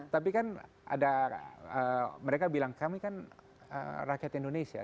tapi kan ada mereka bilang kami kan rakyat indonesia